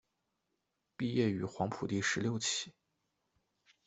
毕业于黄埔第十六期。